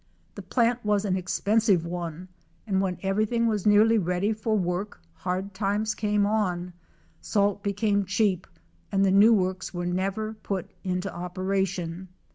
The plant was an ex pensive one and when everything was nearly ready for work, hard times came on, salt became cheap, and the new works were never put into operation.